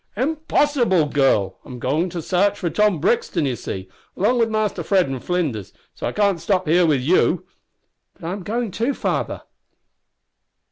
"Impossible, girl! I'm going to sarch for Tom Brixton, you see, along with Mister Fred an' Flinders, so I can't stop here with you." "But I am going too, father!"